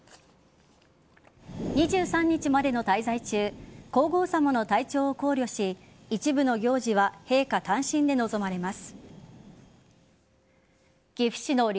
２３日までの滞在中皇后さまの体調を考慮し一部の行事は陛下単身で臨まれます。